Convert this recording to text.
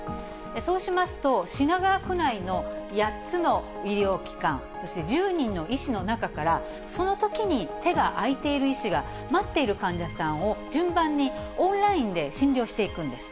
そうしますと、品川区内の８つの医療機関、そして１０人の医師の中から、そのときに手が空いている医師が、待っている患者さんを順番に、オンラインで診療していくんです。